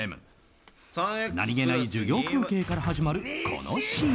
何気ない授業風景から始まるこのＣＭ。